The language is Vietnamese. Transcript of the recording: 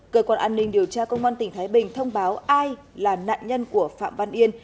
cơ quan an ninh điều tra công an tỉnh thái bình thông báo ai là nạn nhân của phạm văn yên